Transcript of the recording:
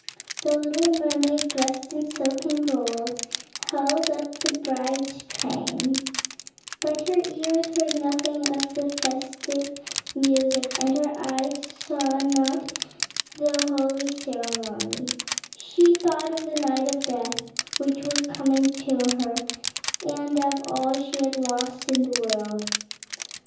The little mermaid, dressed in silk and gold, held up the bride's train; but her ears heard nothing of the festive music, and her eyes saw not the holy ceremony; she thought of the night of death which was coming to her, and of all she had lost in the world.